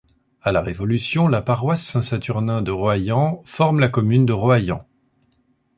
À la Révolution, la paroisse Saint-Saturnin de Roaillan forme la commune de Roaillan.